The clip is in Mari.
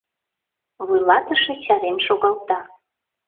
Вуйлатыше чарен шогалта.